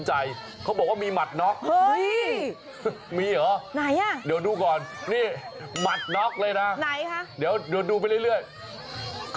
อ๋อช่วยการมวยหน่อยอืม